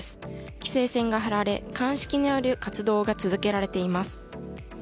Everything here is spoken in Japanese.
規制線が張られ、鑑識による活動が続けられています。